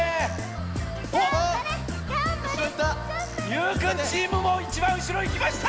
ゆうくんチームもいちばんうしろいきました！